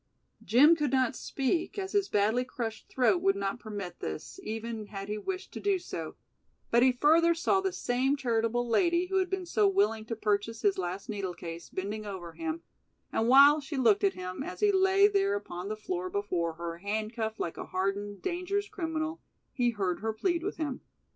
Jim could not speak, as his badly crushed throat would not permit this even had he wished to do so, but he further saw the same charitable lady who had been so willing to purchase his last needle case, bending over him, and while she looked at him as he lay there upon the floor before her, handcuffed like a hardened, dangerous criminal, he heard her plead with him.